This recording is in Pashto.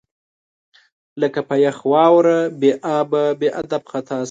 لکه په یخ واوره بې ابه، بې ادب خطا شم